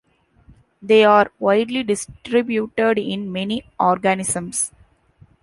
They are widely distributed in many organisms.